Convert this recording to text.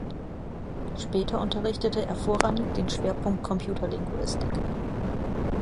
Später unterrichtete er vorrangig den Schwerpunkt Computerlinguistik.